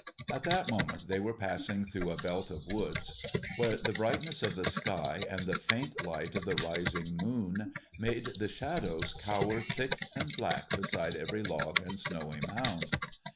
At that moment they were passing through a belt of woods where the brightness of the sky and the faint light of the rising moon made the shadows cower thick and black beside every log and snowy mound.